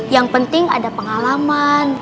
yang penting ada pengalaman